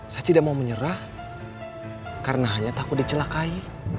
saya tidak mau menyerah karena hanya takut dicelakai